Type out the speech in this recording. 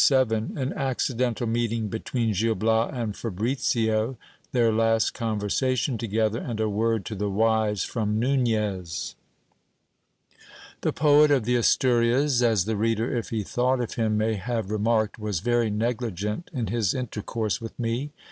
— An accidental meeting between Gil Bias and Fabricio. Their last conversation together, and a word to the wise from Nunez. The poet of the Asturias, as the reader, if he thought of him, may have remarked, was very negligent in his intercourse with me.